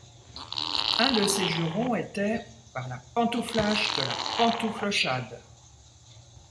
Un de ses jurons était: Par la pantoufloche de la pantouflochade!